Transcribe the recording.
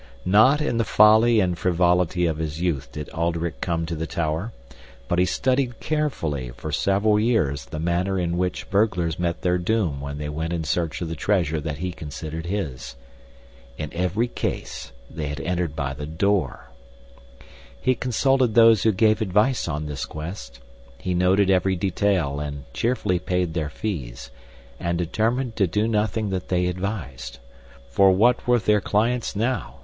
Not in the folly and frivolity of his youth did Alderic come to the tower, but he studied carefully for several years the manner in which burglars met their doom when they went in search of the treasure that he considered his. In every case they had entered by the door. He consulted those who gave advice on this quest; he noted every detail and cheerfully paid their fees, and determined to do nothing that they advised, for what were their clients now?